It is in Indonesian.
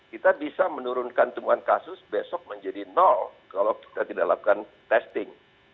kita bisa menurunkan temuan kasus besok menjadi kalau kita tidak lakukan testing